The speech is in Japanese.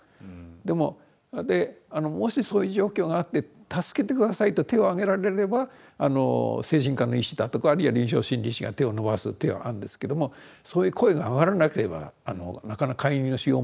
でももしそういう状況があって助けて下さいと手を挙げられれば精神科の医師だとかあるいは臨床心理士が手を伸ばすってのはあるんですけどもそういう声が上がらなければなかなか介入のしようもないということで。